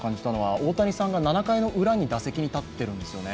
大谷さんが７回のウラに打席に立っているんですよね。